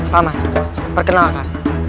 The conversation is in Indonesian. pak man perkenalkan